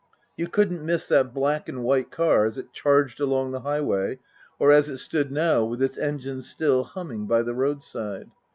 You couldn't miss that black and white car as it charged along the highway, or as it stood now, with its engines still humming, by the roadside.